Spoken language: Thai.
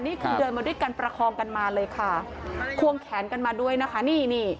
นี่คือเดินมาด้วยกันประคองกันมาเลยค่ะควงแขนกันมาด้วยนะคะนี่นี่